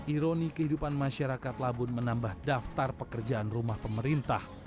ironi kehidupan masyarakat labun menambah daftar pekerjaan rumah pemerintah